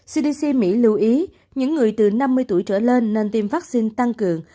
cdc mỹ lưu ý những người từ năm mươi tuổi trở lên nên tiêm vaccine tăng cường